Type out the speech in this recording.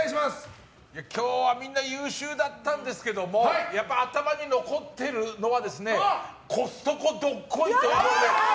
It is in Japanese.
今日はみんな優秀だったんですけどもやっぱり頭に残ってるのはコストコドッコイということで。